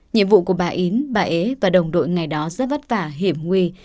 nhiệm vụ của bà ýn bà ế và đồng đội ngày đó rất vất vả hiểm nguy